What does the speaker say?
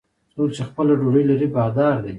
څوک چې خپله ډوډۍ لري، بادار دی.